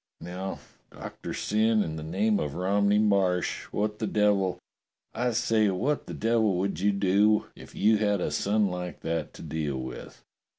Now, Doctor Syn, in the name of Romney Marsh, what 226 DOCTOR SYN the devil — I say, what the devil would you do if you had a son like that to deal with?